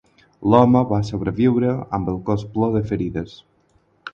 L'home va sobreviure amb el cos ple de ferides.